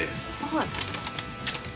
はい。